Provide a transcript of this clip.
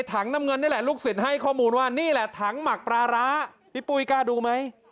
ถังหมักปลาร้าพี่ปุ๊ยกล้าดูไหม